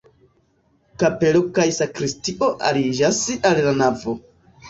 Kapelo kaj sakristio aliĝas al la navo.